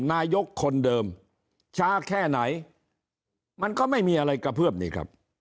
นายกคนเดิมช้าแค่ไหนมันก็ไม่มีอะไรกระเพื่อมนี่ครับ